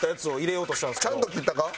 ちゃんと切ったか？